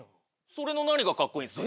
それの何がカッコいいんですか？